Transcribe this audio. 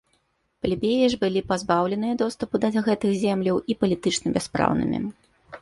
Плебеі ж былі пазбаўлены доступу да гэтых земляў і палітычна бяспраўнымі.